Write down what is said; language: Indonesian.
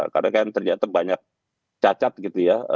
karena kan ternyata banyak cacat gitu ya